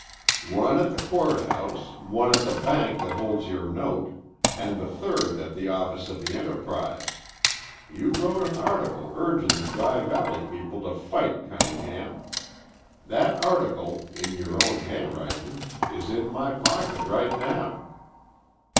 "One at the court house, one at the bank that holds your note, an' the third at the office of the 'Enterprise.' You wrote an article urgin' the Dry Valley people to fight Cunningham. That article, in your own handwritin', is in my pocket right now."